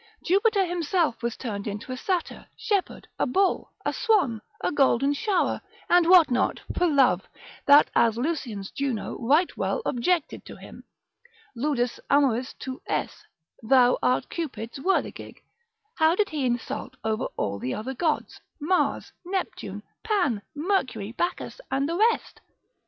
Jupiter himself was turned into a satyr, shepherd, a bull, a swan, a golden shower, and what not, for love; that as Lucian's Juno right well objected to him, ludus amoris tu es, thou art Cupid's whirligig: how did he insult over all the other gods, Mars, Neptune, Pan, Mercury, Bacchus, and the rest?